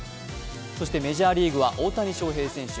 そしてメジャーリーグは大谷翔平選手。